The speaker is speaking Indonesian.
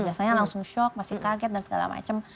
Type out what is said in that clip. biasanya langsung shock masih kaget dan segala macam